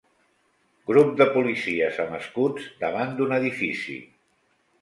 Grup de policies amb escuts davant d'un edifici.